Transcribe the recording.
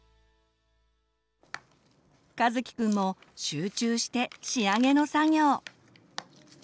かずきくんも集中して仕上げの作業。